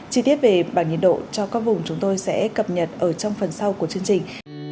chi tiết về bảng nhiệt độ cho các vùng chúng tôi sẽ cập nhật ở trong phần sau của chương trình